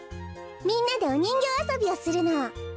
みんなでおにんぎょうあそびをするの。